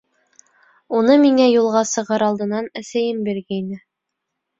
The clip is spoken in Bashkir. Уны миңә юлға сығыр алдынан әсәйем биргәйне.